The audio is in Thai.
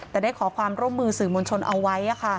แต่ได้ขอความร่วมมือสื่อมวลชนเอาไว้